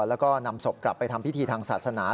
แล้วก็นำศพกลับไปทำพิธีทางศาสนา